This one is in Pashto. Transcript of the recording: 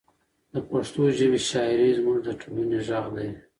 د پښتو ژبې شاعري زموږ د ټولنې غږ دی.